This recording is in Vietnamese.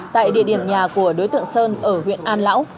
tại địa điểm nhà của đối tượng sơn ở huyện an lão